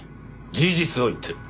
事実を言っている。